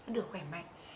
được khỏe mạnh